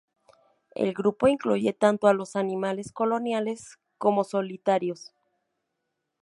El grupo incluye tanto a los animales coloniales como solitarios.